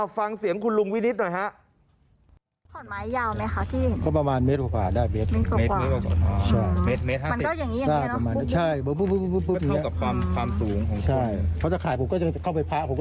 ฟังเสียงคุณลุงวินิตหน่อยฮะ